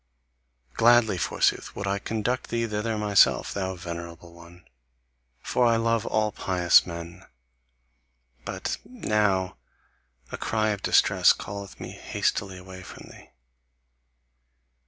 Gladly, forsooth, would I conduct thee thither myself, thou venerable one; for I love all pious men. But now a cry of distress calleth me hastily away from thee.